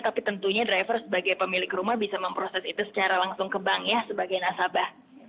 tapi tentunya driver sebagai pemilik rumah bisa memproses itu secara langsung ke bank ya sebagai nasabah